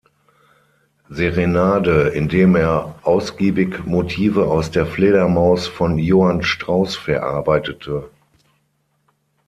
Serenade, in dem er ausgiebig Motive aus der „Fledermaus“ von Johann Strauß verarbeitete.